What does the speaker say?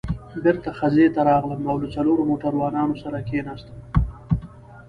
بېرته خزې ته راغلم او له څلورو موټروانانو سره کېناستم.